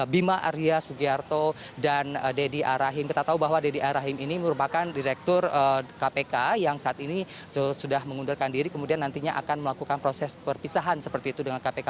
bima arya sugiarto dan deddy arahim kita tahu bahwa deddy arahim ini merupakan direktur kpk yang saat ini sudah mengundurkan diri kemudian nantinya akan melakukan proses perpisahan seperti itu dengan kpk